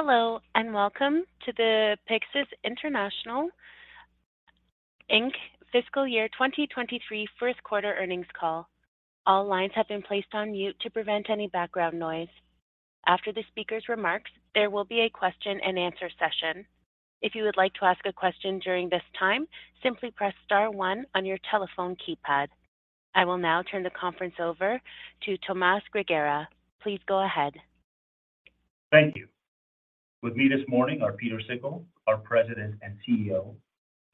Hello, and welcome to the Pyxus International Inc. Fiscal Year 2023 first quarter earnings call. All lines have been placed on mute to prevent any background noise. After the speaker's remarks, there will be a question and answer session. If you would like to ask a question during this time, simply press * one on your telephone keypad. I will now turn the conference over to Tomas Grigera. Please go ahead. Thank you. With me this morning are Pieter Sikkel, our President and CEO,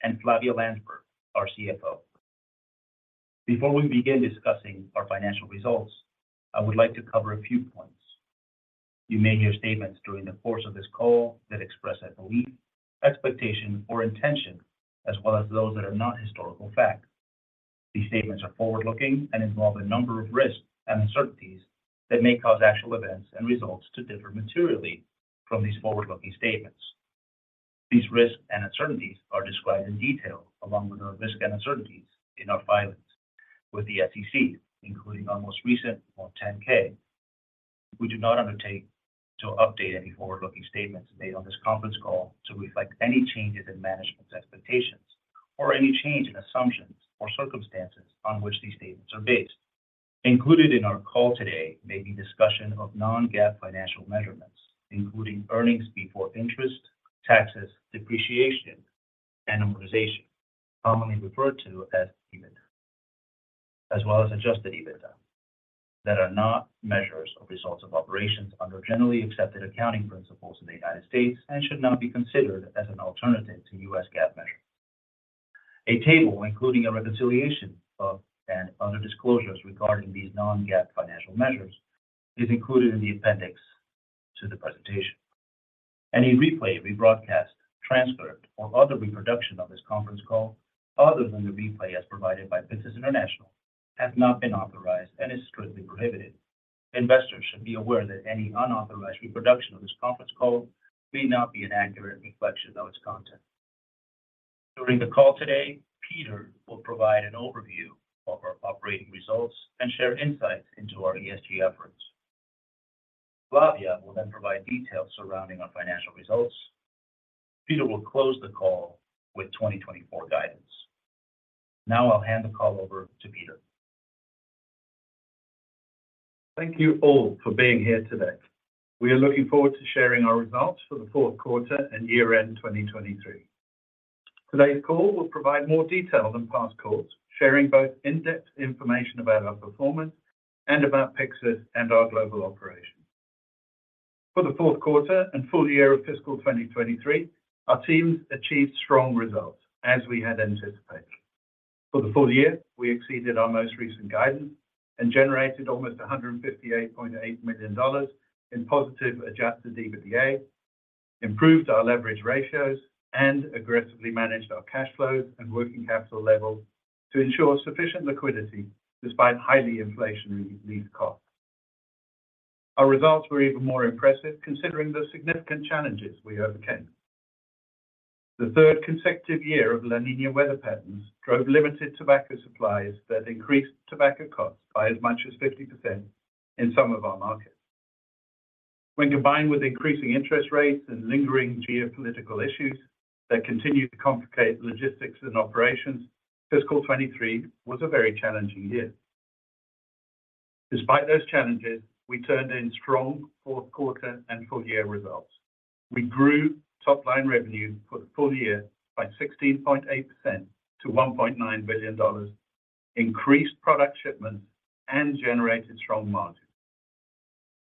and Flavia Landsberg, our CFO. Before we begin discussing our financial results, I would like to cover a few points. You may hear statements during the course of this call that express a belief, expectation, or intention, as well as those that are not historical facts. These statements are forward-looking and involve a number of risks and uncertainties that may cause actual events and results to differ materially from these forward-looking statements. These risks and uncertainties are described in detail, along with other risks and uncertainties in our filings with the SEC, including our most recent Form 10-K. We do not undertake to update any forward-looking statements made on this conference call to reflect any changes in management's expectations or any change in assumptions or circumstances on which these statements are based. Included in our call today may be discussion of non-GAAP financial measurements, including earnings before interest, taxes, depreciation, and amortization, commonly referred to as EBITDA, as well as adjusted EBITDA, that are not measures of results of operations under generally accepted accounting principles in the United States and should not be considered as an alternative to U.S. GAAP measures. A table, including a reconciliation of and other disclosures regarding these non-GAAP financial measures, is included in the appendix to the presentation. Any replay, rebroadcast, transcript, or other reproduction of this conference call, other than the replay as provided by Pyxus International, has not been authorized and is strictly prohibited. Investors should be aware that any unauthorized reproduction of this conference call may not be an accurate reflection of its content. During the call today, Pieter Sikkel will provide an overview of our operating results and share insights into our ESG efforts. Flavia Landsberg will then provide details surrounding our financial results. Pieter Sikkel will close the call with 2024 guidance. I'll hand the call over to Pieter Sikkel. Thank you all for being here today. We are looking forward to sharing our results for the fourth quarter and year-end 2023. Today's call will provide more detail than past calls, sharing both in-depth information about our performance and about Pyxus and our global operations. For the fourth quarter and full year of fiscal 2023, our teams achieved strong results, as we had anticipated. For the full year, we exceeded our most recent guidance and generated almost $158.8 million in positive adjusted EBITDA, improved our leverage ratios, and aggressively managed our cash flows and working capital levels to ensure sufficient liquidity despite highly inflationary leaf costs. Our results were even more impressive considering the significant challenges we overcame. The third consecutive year of La Niña weather patterns drove limited tobacco supplies that increased tobacco costs by as much as 50% in some of our markets. When combined with increasing interest rates and lingering geopolitical issues that continued to complicate logistics and operations, fiscal 2023 was a very challenging year. Despite those challenges, we turned in strong fourth quarter and full year results. We grew top-line revenues for the full year by 16.8% to $1.9 billion, increased product shipments, and generated strong margins.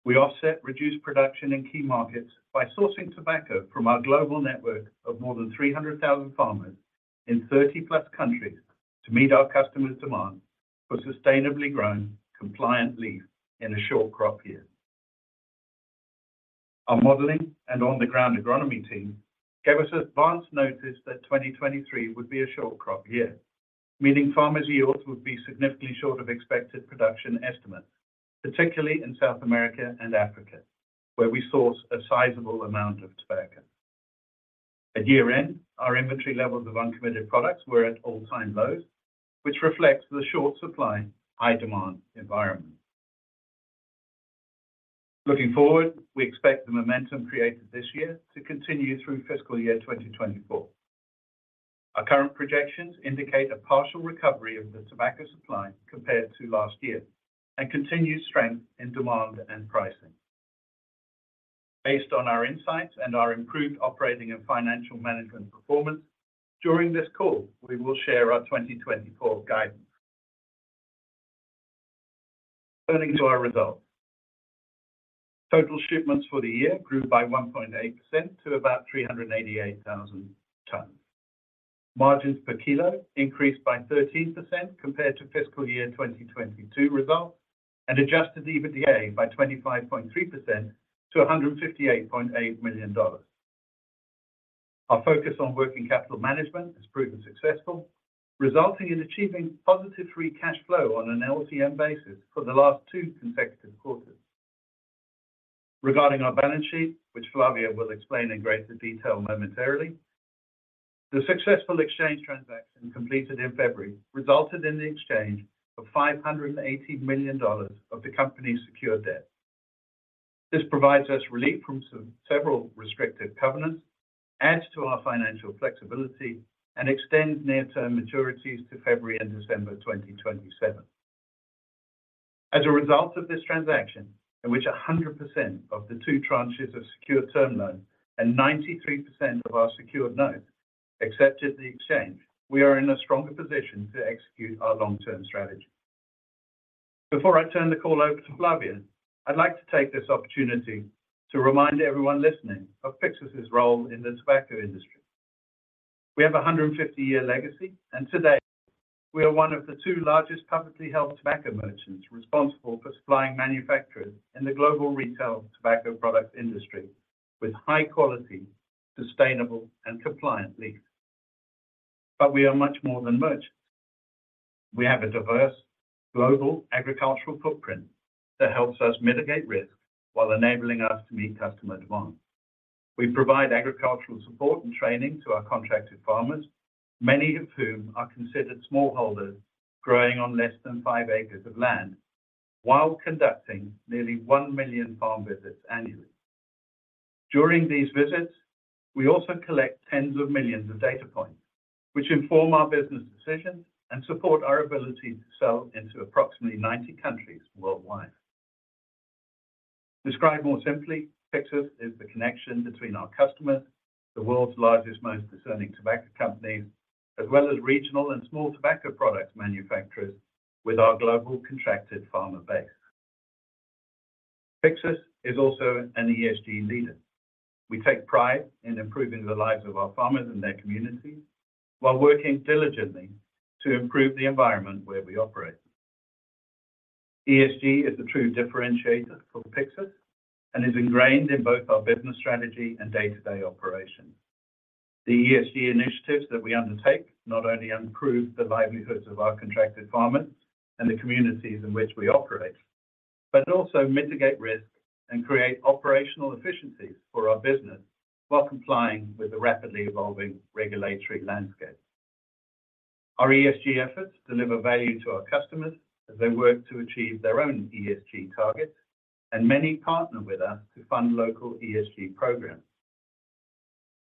We offset reduced production in key markets by sourcing tobacco from our global network of more than 300,000 farmers in 30-plus countries to meet our customers' demand for sustainably grown, compliant leaf in a short crop year. Our modeling and on-the-ground agronomy team gave us advanced notice that 2023 would be a short crop year, meaning farmers' yields would be significantly short of expected production estimates, particularly in South America and Africa, where we source a sizable amount of tobacco. At year-end, our inventory levels of uncommitted products were at all-time lows, which reflects the short supply, high demand environment. Looking forward, we expect the momentum created this year to continue through fiscal year 2024. Our current projections indicate a partial recovery of the tobacco supply compared to last year and continued strength in demand and pricing. Based on our insights and our improved operating and financial management performance, during this call, we will share our 2024 guidance. Turning to our results. Total shipments for the year grew by 1.8% to about 388,000 tons. Margins per kilo increased by 13% compared to fiscal year 2022 results and adjusted EBITDA by 25.3% to $158.8 million. Our focus on working capital management has proven successful, resulting in achieving positive free cash flow on an LTM basis for the last two consecutive quarters. Regarding our balance sheet, which Flavia Landsberg will explain in greater detail momentarily. The successful exchange transaction completed in February resulted in the exchange of $580 million of the company's secure debt. This provides us relief from several restrictive covenants, adds to our financial flexibility, and extends near-term maturities to February and December 2027. As a result of this transaction, in which 100% of the 2 tranches of secure term loan and 93% of our secured notes accepted the exchange, we are in a stronger position to execute our long-term strategy. Before I turn the call over to Flavia Landsberg, I'd like to take this opportunity to remind everyone listening of Pyxus's role in the tobacco industry. We have a 150-year legacy, and today, we are one of the two largest publicly held tobacco merchants responsible for supplying manufacturers in the global retail tobacco product industry with high quality, sustainable, and compliant leaf. We are much more than merchants. We have a diverse global agricultural footprint that helps us mitigate risk while enabling us to meet customer demands. We provide agricultural support and training to our contracted farmers, many of whom are considered smallholders, growing on less than 5 acres of land, while conducting nearly 1 million farm visits annually. During these visits, we also collect tens of millions of data points, which inform our business decisions and support our ability to sell into approximately 90 countries worldwide. Described more simply, Pyxus is the connection between our customers, the world's largest, most discerning tobacco companies, as well as regional and small tobacco product manufacturers with our global contracted farmer base. Pyxus is also an ESG leader. We take pride in improving the lives of our farmers and their communities, while working diligently to improve the environment where we operate. ESG is a true differentiator for Pyxus and is ingrained in both our business strategy and day-to-day operations. The ESG initiatives that we undertake not only improve the livelihoods of our contracted farmers and the communities in which we operate, but also mitigate risk and create operational efficiencies for our business while complying with the rapidly evolving regulatory landscape. Our ESG efforts deliver value to our customers as they work to achieve their own ESG targets, and many partner with us to fund local ESG programs.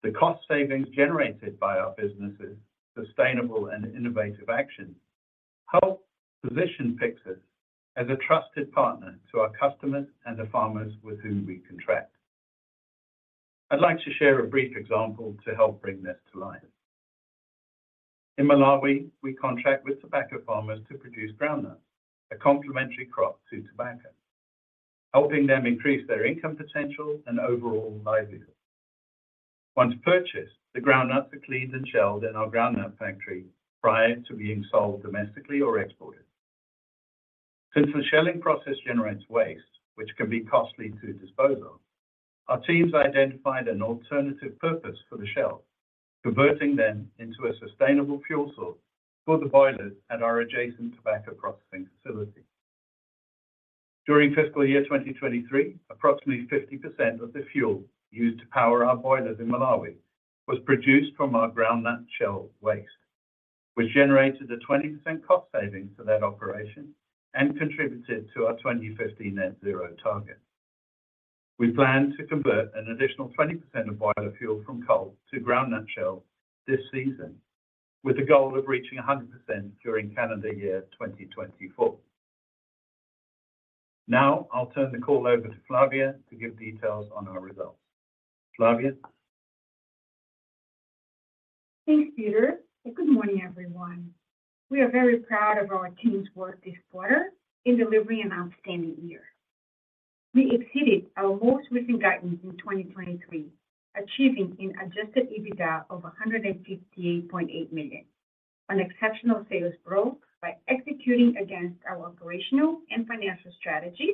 The cost savings generated by our businesses, sustainable and innovative actions, help position Pyxus as a trusted partner to our customers and the farmers with whom we contract. I'd like to share a brief example to help bring this to life. In Malawi, we contract with tobacco farmers to produce groundnuts, a complementary crop to tobacco, helping them increase their income potential and overall livelihood. Once purchased, the groundnuts are cleaned and shelled in our groundnut factory prior to being sold domestically or exported. Since the shelling process generates waste, which can be costly to dispose of, our teams identified an alternative purpose for the shells, converting them into a sustainable fuel source for the boilers at our adjacent tobacco processing facility. During fiscal year 2023, approximately 50% of the fuel used to power our boilers in Malawi was produced from our groundnut shell waste, which generated a 20% cost saving for that operation and contributed to our 2050 net zero target. We plan to convert an additional 20% of boiler fuel from coal to groundnut shell this season, with a goal of reaching 100% during calendar year 2024. Now, I'll turn the call over to Flavia Landsberg to give details on our results. Flavia Landsberg? Thanks, Pieter Sikkel. Good morning, everyone. We are very proud of our team's work this quarter in delivering an outstanding year. We exceeded our most recent guidance in 2023, achieving an adjusted EBITDA of $158.8 million, an exceptional sales growth by executing against our operational and financial strategy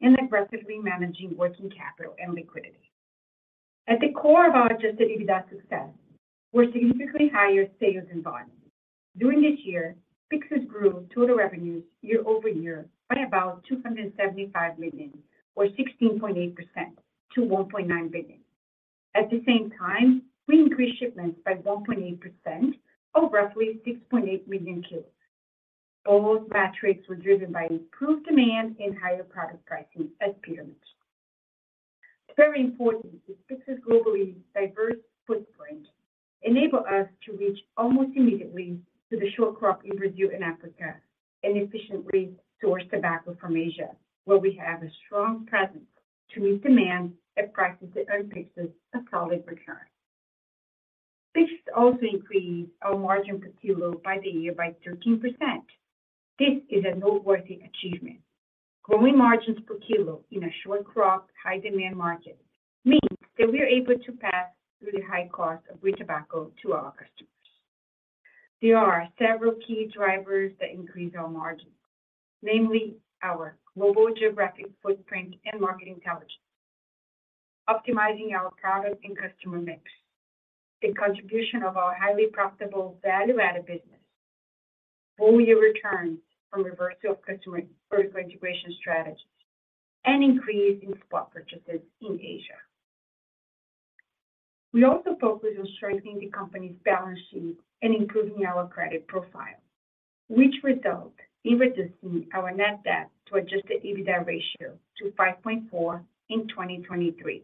and aggressively managing working capital and liquidity. At the core of our adjusted EBITDA success, were significantly higher sales in volume. During this year, Pyxus grew total revenues year-over-year by about $275 million, or 16.8% to $1.9 billion. At the same time, we increased shipments by 1.8%, or roughly 6.8 million kilos. Those metrics were driven by improved demand and higher product pricing, as Pieter Sikkel mentioned. It's very important that Pyxus's globally diverse footprint enable us to reach almost immediately to the short crop in Brazil and Africa, and efficiently source tobacco from Asia, where we have a strong presence to meet demand at prices that earn Pyxus a solid return. Pyxus also increased our margin per kilo by the year by 13%. This is a noteworthy achievement. Growing margins per kilo in a short crop, high-demand market means that we are able to pass through the high cost of green tobacco to our customers. There are several key drivers that increase our margins, namely our global geographic footprint and market intelligence, optimizing our product and customer mix. The contribution of our highly profitable value-added business-... annual return from reversal of customer vertical integration strategy and increase in spot purchases in Asia. We also focused on strengthening the company's balance sheet and improving our credit profile, which result in reducing our net debt to adjusted EBITDA ratio to 5.4 in 2023.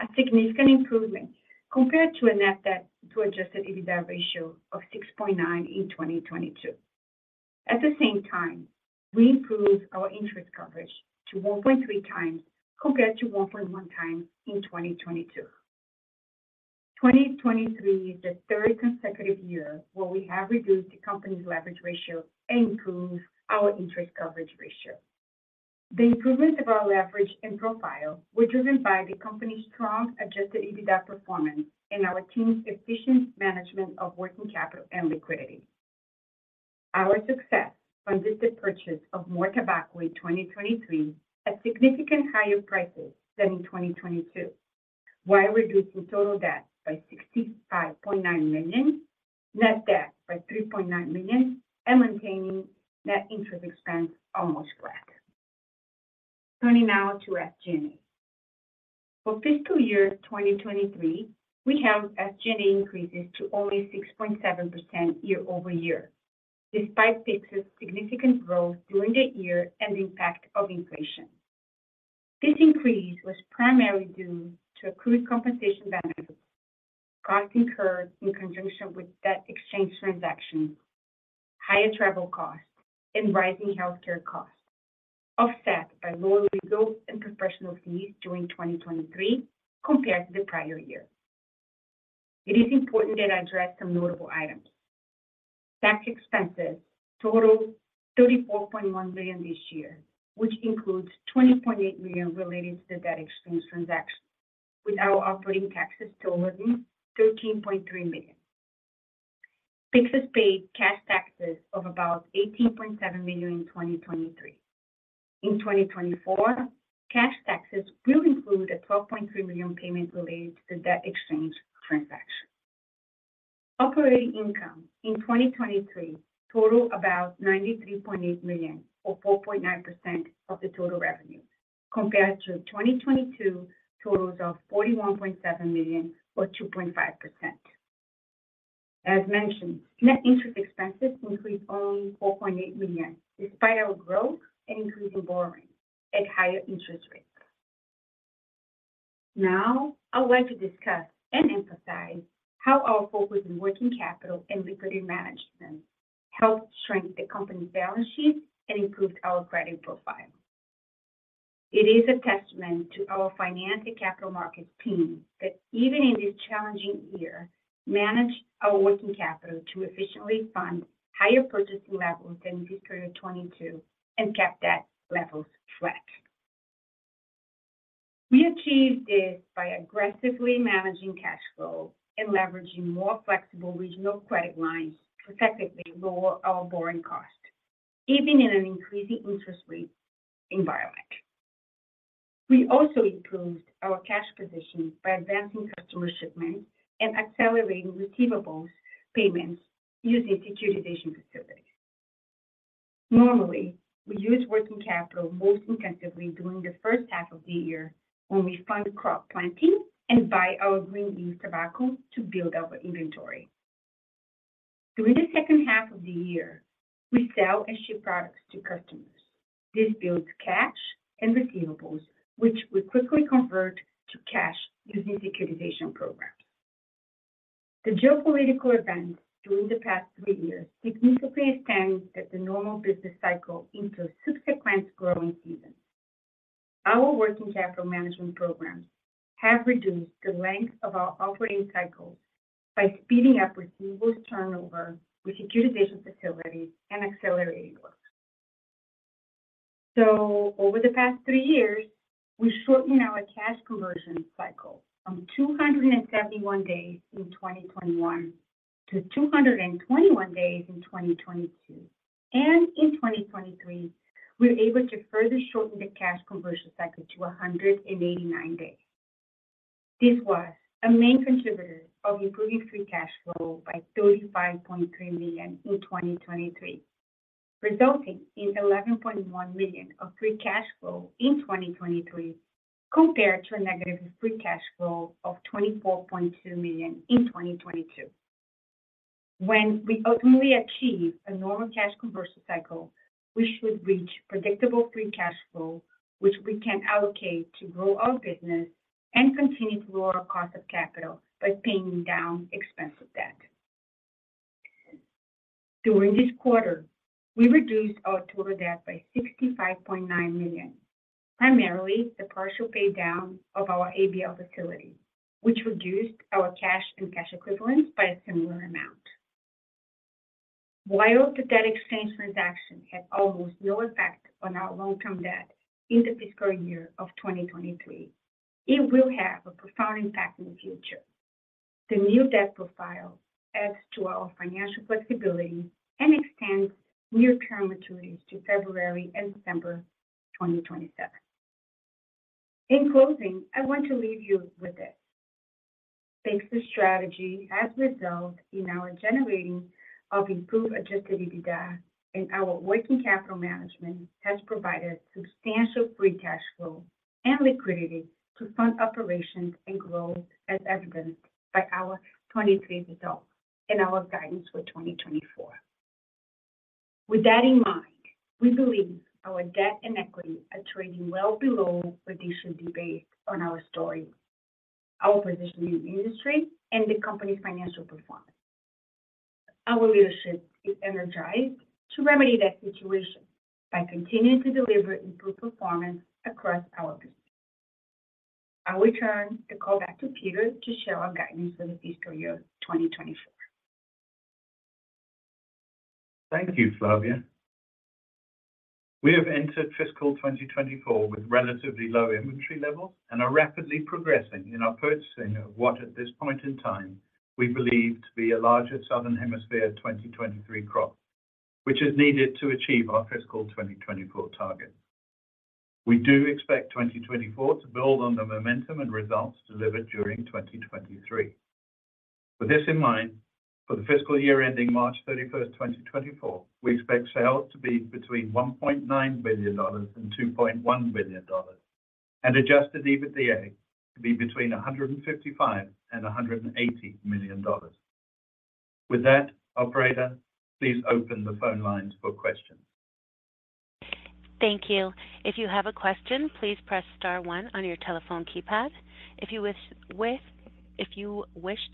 A significant improvement compared to a net debt to adjusted EBITDA ratio of 6.9 in 2022. At the same time, we improved our interest coverage to 1.3 times, compared to 1.1 times in 2022. 2023 is the third consecutive year where we have reduced the company's leverage ratio and improved our interest coverage ratio. The improvements of our leverage and profile were driven by the company's strong adjusted EBITDA performance and our team's efficient management of working capital and liquidity. Our success funded the purchase of more tobacco in 2023 at significant higher prices than in 2022, while reducing total debt by $65.9 million, net debt by $3.9 million, and maintaining net interest expense almost flat. Turning now to SG&A. For fiscal year 2023, we have SG&A increases to only 6.7% year-over-year, despite Pyxus's significant growth during the year and the impact of inflation. This increase was primarily due to accrued compensation benefits, costs incurred in conjunction with debt exchange transactions, higher travel costs, and rising healthcare costs, offset by lower legal and professional fees during 2023 compared to the prior year. It is important that I address some notable items. Tax expenses totaled $34.1 million this year, which includes $20.8 million related to the debt exchange transaction, with our operating taxes totaling $13.3 million. Pyxus paid cash taxes of about $18.7 million in 2023. In 2024, cash taxes will include a $12.3 million payment related to the debt exchange transaction. Operating income in 2023 totaled about $93.8 million or 4.9% of the total revenue, compared to 2022 totals of $41.7 million or 2.5%. As mentioned, net interest expenses increased only $4.8 million, despite our growth and increasing borrowing at higher interest rates. I'd like to discuss and emphasize how our focus in working capital and liquidity management helped strengthen the company's balance sheet and improved our credit profile. It is a testament to our finance and capital markets team that even in this challenging year, managed our working capital to efficiently fund higher purchasing levels than in fiscal year 2022 and kept debt levels flat. We achieved this by aggressively managing cash flow and leveraging more flexible regional credit lines to effectively lower our borrowing costs, even in an increasing interest rate environment. We also improved our cash position by advancing customer shipments and accelerating receivables payments using securitization facilities. Normally, we use working capital most intensively during the first half of the year, when we fund crop planting and buy our green leaf tobacco to build our inventory. During the second half of the year, we sell and ship products to customers. This builds cash and receivables, which we quickly convert to cash using securitization programs. The geopolitical events during the past three years significantly extend the normal business cycle into subsequent growing seasons. Our working capital management programs have reduced the length of our operating cycle by speeding up receivables turnover with securitization facilities and accelerating work. Over the past three years, we shortened our cash conversion cycle from 271 days in 2021 to 221 days in 2022, and in 2023, we're able to further shorten the cash conversion cycle to 189 days. This was a main contributor of improving free cash flow by $35.3 million in 2023, resulting in $11.1 million of free cash flow in 2023, compared to a negative free cash flow of $24.2 million in 2022. When we ultimately achieve a normal cash conversion cycle, we should reach predictable free cash flow, which we can allocate to grow our business and continue to lower our cost of capital by paying down expensive debt. During this quarter, we reduced our total debt by $65.9 million, primarily the partial pay down of our ABL facility, which reduced our cash and cash equivalents by a similar amount. While the debt exchange transaction had almost no effect on our long-term debt in the fiscal year 2023, it will have a profound impact in the future. The new debt profile adds to our financial flexibility and extends near-term maturities to February and December 2027. In closing, I want to leave you with this: thanks to strategy has resulted in our generating of improved adjusted EBITDA, and our working capital management has provided substantial free cash flow and liquidity to fund operations and growth, as evidenced by our 2023 results and our guidance for 2024. With that in mind, we believe our debt and equity are trading well below traditional debates on our story, our position in the industry, and the company's financial performance. Our leadership is energized to remedy that situation by continuing to deliver improved performance across our business. I will turn the call back to Pieter Sikkel to share our guidance for the fiscal year 2024. Thank you, Flavia Landsberg. We have entered fiscal 2024 with relatively low inventory levels and are rapidly progressing in our purchasing of what, at this point in time, we believe to be a larger Southern Hemisphere 2023 crop, which is needed to achieve our fiscal 2024 target. We do expect 2024 to build on the momentum and results delivered during 2023. With this in mind, for the fiscal year ending March 31, 2024, we expect sales to be between $1.9 billion and $2.1 billion, and adjusted EBITDA to be between $155 million and $180 million. With that, operator, please open the phone lines for questions. Thank you. If you have a question, please press * one on your telephone keypad. If you wish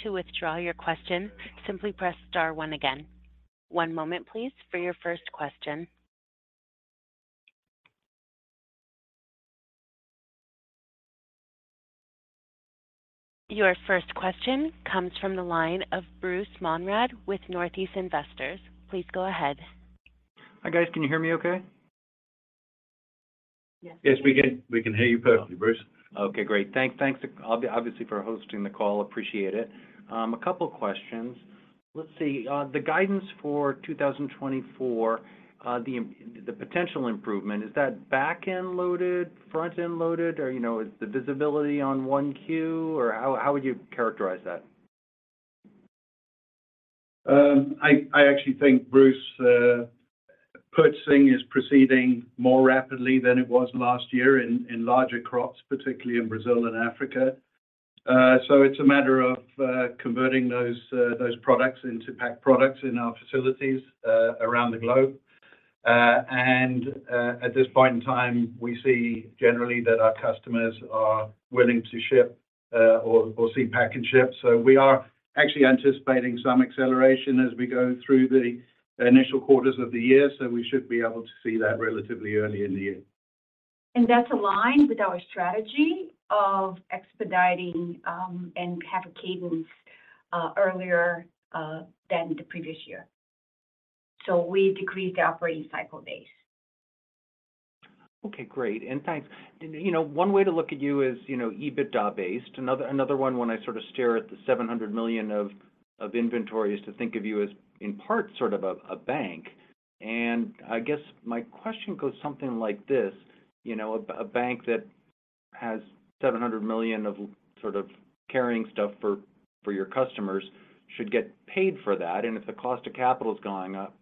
to withdraw your question, simply press * one again. One moment, please, for your first question. Your first question comes from the line of Bruce Monrad with Northeast Investors. Please go ahead. Hi, guys. Can you hear me okay? Yes. Yes, we can hear you perfectly, Bruce Monrad. Okay, great. Thanks obviously, for hosting the call. Appreciate it. A couple questions. Let's see, the guidance for 2024, the potential improvement, is that back-end loaded, front-end loaded, or, you know, is the visibility on 1Q? How would you characterize that? I actually think, Bruce Monrad, purchasing is proceeding more rapidly than it was last year in larger crops, particularly in Brazil and Africa. It's a matter of converting those products into packed products in our facilities around the globe. At this point in time, we see generally that our customers are willing to ship, or see pack and ship. We are actually anticipating some acceleration as we go through the initial quarters of the year, so we should be able to see that relatively early in the year. That's aligned with our strategy of expediting, and have a cadence earlier than the previous year. We decreased the operating cycle days. Okay, great, and thanks. You know, one way to look at you is, you know, EBITDA-based. Another one, when I sort of stare at the $700 million of inventory, is to think of you as, in part, sort of a bank. I guess my question goes something like this: you know, a bank that has $700 million of sort of carrying stuff for your customers should get paid for that. If the cost of capital is going up,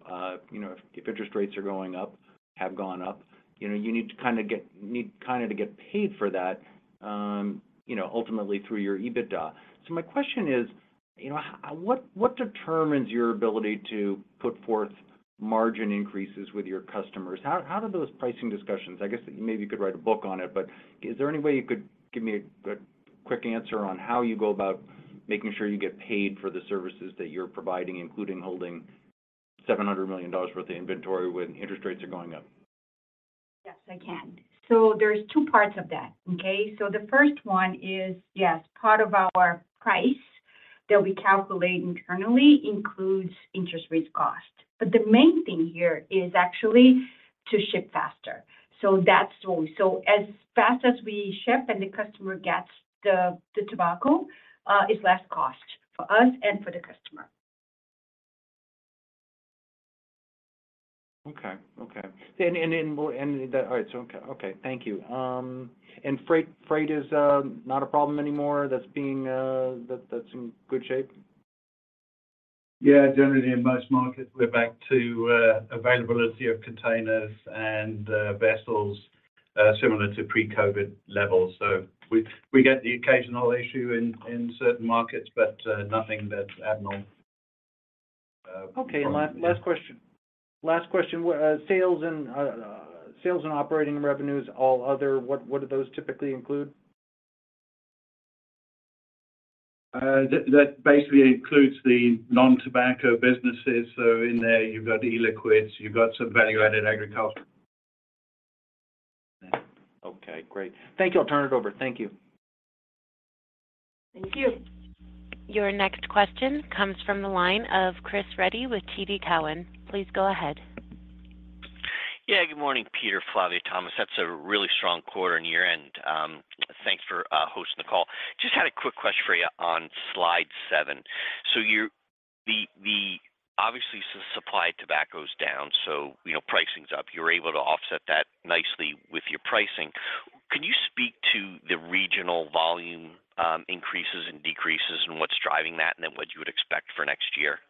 you know, if interest rates are going up, have gone up, you know, you need kind of to get paid for that, you know, ultimately through your EBITDA. My question is, you know, what determines your ability to put forth margin increases with your customers? How do those pricing discussions... I guess maybe you could write a book on it, but is there any way you could give me a quick answer on how you go about making sure you get paid for the services that you're providing, including holding $700 million worth of inventory when interest rates are going up? Yes, I can. There's two parts of that, okay? The first one is, yes, part of our price that we calculate internally includes interest rates cost, but the main thing here is actually to ship faster. As fast as we ship and the customer gets the tobacco, it's less cost for us and for the customer. Okay. All right, okay. Thank you. Freight is not a problem anymore? That's being, that's in good shape? Yeah, generally in most markets, we're back to availability of containers and vessels, similar to pre-COVID levels. We get the occasional issue in certain markets, but nothing that's abnormal. Okay, last question, sales and operating revenues, all other, what do those typically include? That basically includes the non-tobacco businesses. In there, you've got e-liquids, you've got some value-added agriculture. Okay, great. Thank you. I'll turn it over. Thank you. Thank you. Your next question comes from the line of Chris Reddy with TD Cowen. Please go ahead. Good morning, Pieter Sikkel, Flavia Landsberg, Tomas Grigera. That's a really strong quarter on your end. Thanks for hosting the call. Just had a quick question for you on slide 7.... The, obviously, supply of tobacco is down, so, you know, pricing's up. You're able to offset that nicely with your pricing. Can you speak to the regional volume, increases and decreases and what's driving that, and then what you would expect for next year?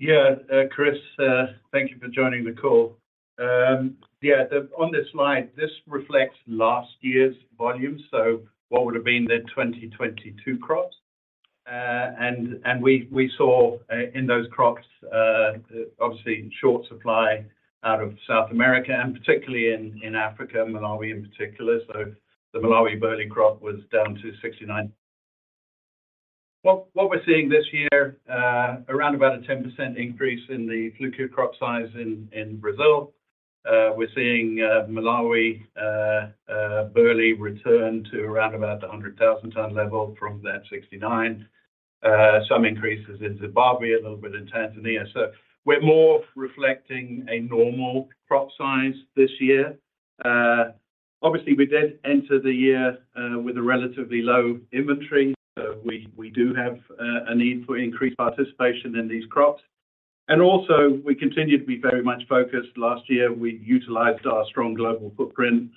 Yeah, Chris Reddy, thank you for joining the call. Yeah, on this slide, this reflects last year's volume, so what would have been the 2022 crops. We saw in those crops, obviously, short supply out of South America and particularly in Africa, Malawi in particular. The Malawi burley crop was down to 69. What we're seeing this year, around about a 10% increase in the flue-cured crop size in Brazil. We're seeing Malawi burley return to around about the 100,000 ton level from that 69. Some increases in Zimbabwe, a little bit in Tanzania, we're more reflecting a normal crop size this year. Obviously, we did enter the year, with a relatively low inventory, so we do have a need for increased participation in these crops. Also, we continue to be very much focused. Last year, we utilized our strong global footprint,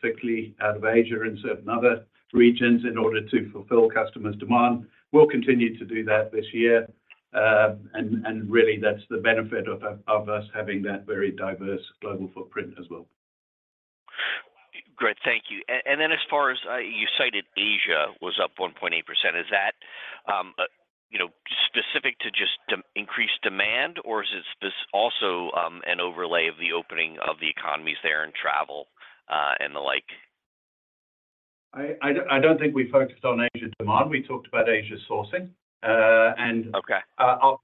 particularly out of Asia and certain other regions, in order to fulfill customers' demand. We'll continue to do that this year. Really, that's the benefit of us having that very diverse global footprint as well. Great, thank you. As far as, you cited Asia was up 1.8%. Is that, you know, specific to just increased demand, or is this also an overlay of the opening of the economies there and travel, and the like? I don't think we focused on Asia demand. We talked about Asia sourcing. Okay... our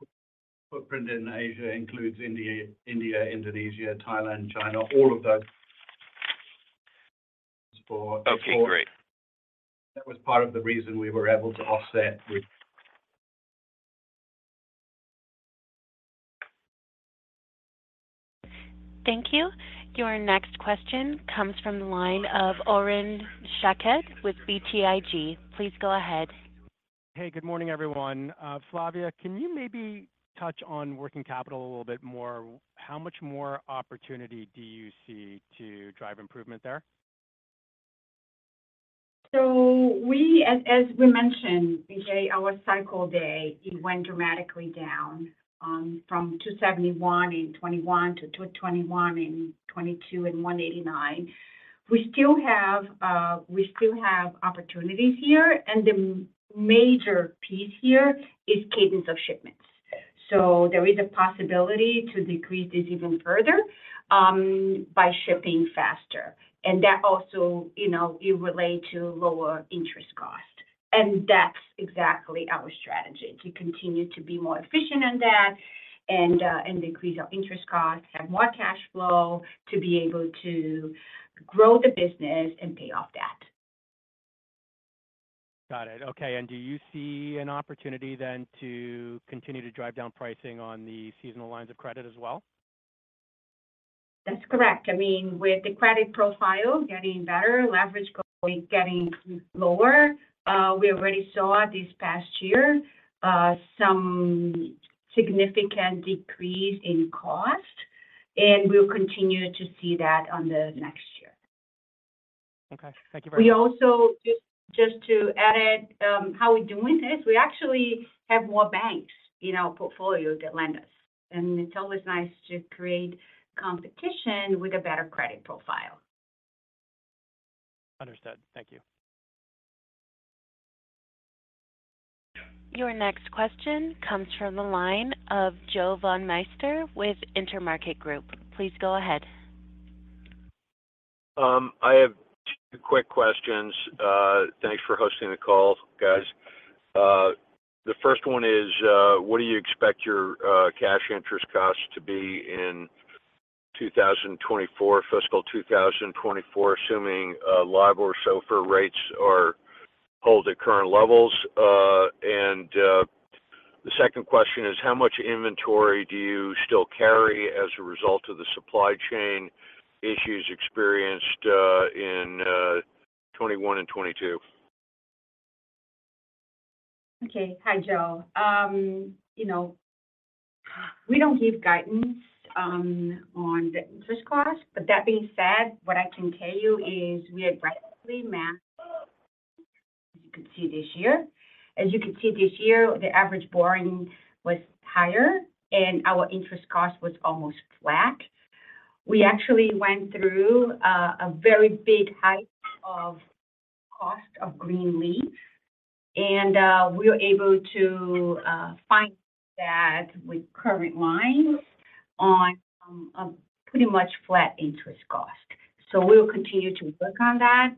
footprint in Asia includes India, Indonesia, Thailand, China, all of those. Okay, great. That was part of the reason we were able to offset with-. Thank you. Your next question comes from the line of Oren Shaked with BTIG. Please go ahead. Hey, good morning, everyone. Flavia Landsberg, can you maybe touch on working capital a little bit more? How much more opportunity do you see to drive improvement there? We, as we mentioned, uncertain, our cycle day, it went dramatically down, from 271 in 2021 to 221 in 2022 and 189. We still have opportunities here, and the major piece here is cadence of shipments. There is a possibility to decrease this even further, by shipping faster. That also, you know, it relate to lower interest cost, and that's exactly our strategy, to continue to be more efficient on that and decrease our interest costs, have more cash flow to be able to grow the business and pay off debt. Got it. Okay, do you see an opportunity then to continue to drive down pricing on the seasonal lines of credit as well? That's correct. I mean, with the credit profile getting better, leverage cost getting lower, we already saw this past year, some significant decrease in cost, and we'll continue to see that on the next year. Okay. Thank you very much. We also, just to add it, how we're doing this, we actually have more banks in our portfolio that lend us, and it's always nice to create competition with a better credit profile. Understood. Thank you. Your next question comes from the line of Joe Von Meister with Intermarket Group. Please go ahead. I have 2 quick questions. Thanks for hosting the call, guys. The first one is, what do you expect your cash interest costs to be in 2024, fiscal 2024, assuming LIBOR or SOFR rates are held at current levels? The second question is: How much inventory do you still carry as a result of the supply chain issues experienced in 21 and 22? Hi, Joe. You know, we don't give guidance on the interest cost, but that being said, what I can tell you is we aggressively managed, as you can see this year. As you can see this year, the average borrowing was higher, and our interest cost was almost flat. We actually went through a very big hike of cost of green leaf, and we were able to find that with current lines on a pretty much flat interest cost. We'll continue to work on that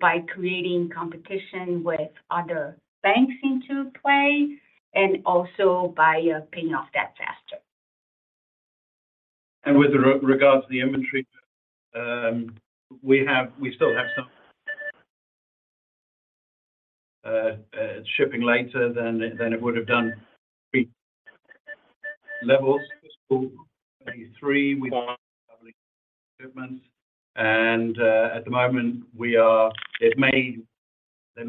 by creating competition with other banks into play and also by paying off debt faster. With regards to the inventory, we still have some shipping later than it would've done pre- levels for school three shipments. At the moment, there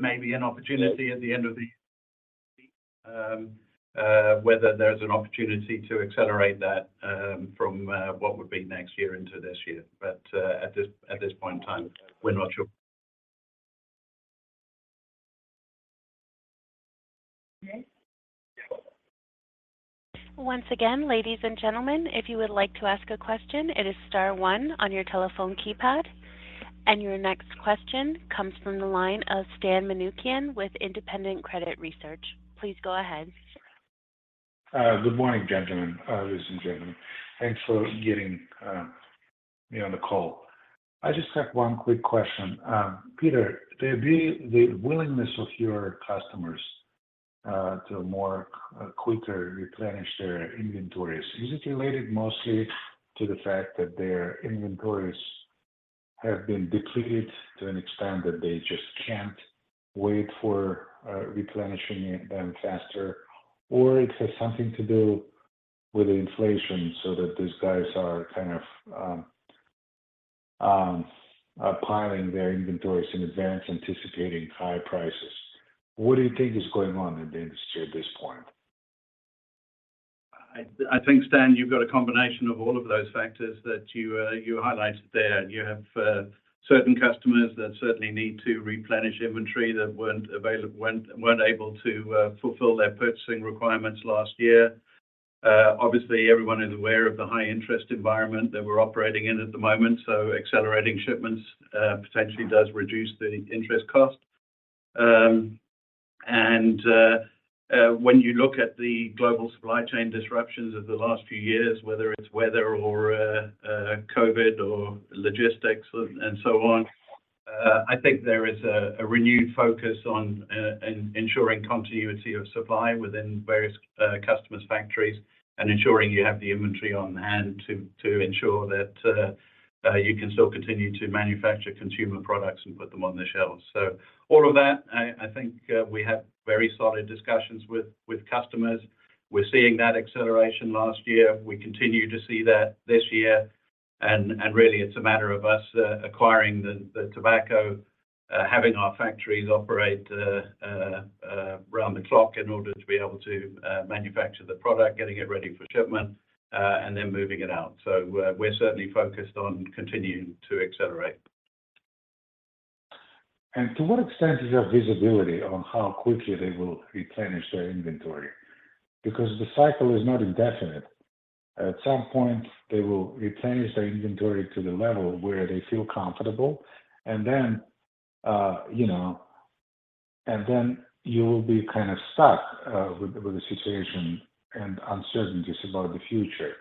may be an opportunity at the end of the, whether there's an opportunity to accelerate that from what would be next year into this year. At this point in time, we're not sure. Once again, ladies and gentlemen, if you would like to ask a question, it is * one on your telephone keypad. Your next question comes from the line of Stan Manoukian with Independent Credit Research. Please go ahead. Good morning, gentlemen, ladies and gentlemen. Thanks for getting me on the call. I just have one quick question. Pieter Sikkel, the willingness of your customers to more quicker replenish their inventories, is it related mostly to the fact that their inventories have been depleted to an extent that they just can't wait for replenishing them faster? Or it has something to do with inflation so that these guys are kind of piling their inventories in advance, anticipating high prices? What do you think is going on in the industry at this point? I think, Stan, you've got a combination of all of those factors that you highlighted there. You have certain customers that certainly need to replenish inventory that weren't able to fulfill their purchasing requirements last year. Obviously, everyone is aware of the high interest environment that we're operating in at the moment, so accelerating shipments potentially does reduce the interest cost. When you look at the global supply chain disruptions of the last few years, whether it's weather or COVID or logistics and so on, I think there is a renewed focus on ensuring continuity of supply within various customers' factories, and ensuring you have the inventory on hand to ensure that you can still continue to manufacture consumer products and put them on the shelves. All of that, I think, we have very solid discussions with customers. We're seeing that acceleration last year. We continue to see that this year, and really, it's a matter of us, acquiring the tobacco, having our factories operate around the clock in order to be able to manufacture the product, getting it ready for shipment, and then moving it out. We're certainly focused on continuing to accelerate. To what extent is your visibility on how quickly they will replenish their inventory? The cycle is not indefinite. At some point, they will replenish their inventory to the level where they feel comfortable, you know, then you will be kind of stuck with the situation and uncertainties about the future.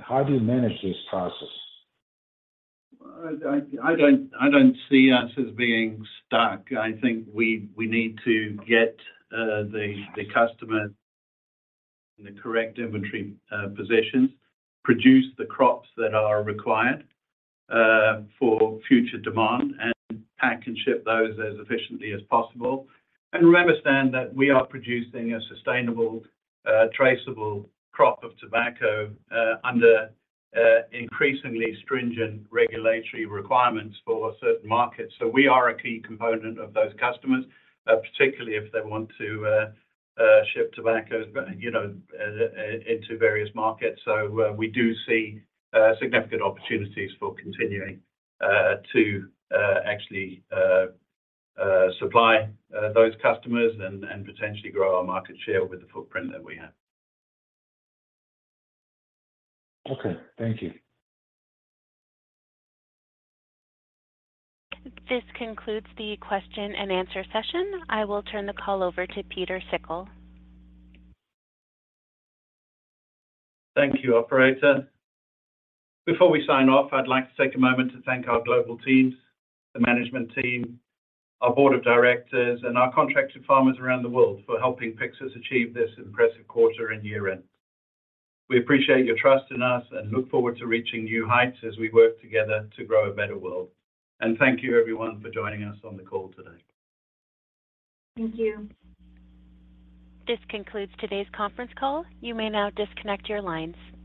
How do you manage this process? I don't see us as being stuck. I think we need to get the customer in the correct inventory positions, produce the crops that are required for future demand, and pack and ship those as efficiently as possible. Remember, Stan, that we are producing a sustainable, traceable crop of tobacco under increasingly stringent regulatory requirements for certain markets. We are a key component of those customers, particularly if they want to ship tobacco, you know, into various markets. We do see significant opportunities for continuing to actually supply those customers and potentially grow our market share with the footprint that we have. Okay, thank you. This concludes the question and answer session. I will turn the call over to Pieter Sikkel. Thank you, operator. Before we sign off, I'd like to take a moment to thank our global teams, the management team, our board of directors, and our contracted farmers around the world for helping Pyxus achieve this impressive quarter and year-end. We appreciate your trust in us and look forward to reaching new heights as we work together to grow a better world. Thank you, everyone, for joining us on the call today. Thank you. This concludes today's conference call. You may now disconnect your lines.